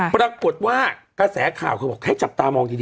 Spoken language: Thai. พรากฏว่ากาแสข่าวเขาบอกแค่จับตามองดีนะ